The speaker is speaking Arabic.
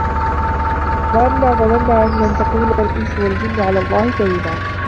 وَأَنّا ظَنَنّا أَن لَن تَقولَ الإِنسُ وَالجِنُّ عَلَى اللَّهِ كَذِبًا